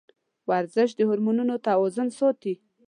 ورزش د هورمونونو توازن ساتي.